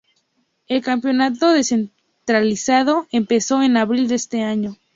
El Campeonato Descentralizado empezó en abril de ese año.